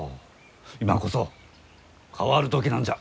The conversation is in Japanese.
今こそ変わる時なんじゃ。